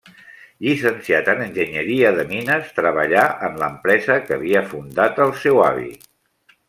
Llicenciat en enginyeria de mines, treballà en l'empresa que havia fundat el seu avi.